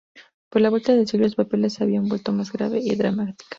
Por la vuelta del siglo, sus papeles se habían vuelto más grave y dramática.